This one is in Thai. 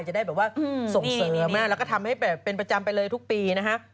จะได้แบบว่าส่งเสริมแล้วก็ทำให้แบบเป็นประจำไปเลยทุกปีนะฮะ